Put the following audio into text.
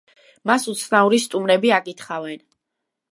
მას უცნაური სტუმრები აკითხავენ.